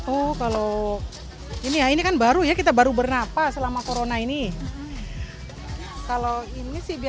oh kalau ini ya ini kan baru ya kita baru bernapas selama corona ini kalau ini sih